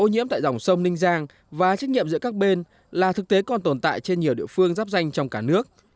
ô nhiễm tại dòng sông ninh giang và trách nhiệm giữa các bên là thực tế còn tồn tại trên nhiều địa phương giáp danh trong cả nước